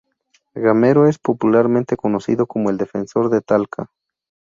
Gamero es popularmente conocido como "El defensor de Talca".